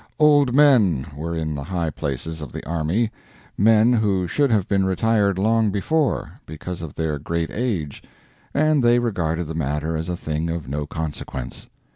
Old men were in the high places of the army men who should have been retired long before, because of their great age and they regarded the matter as a thing of no consequence.